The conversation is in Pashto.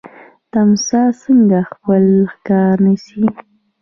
تمساح څنګه خپل ښکار نیسي؟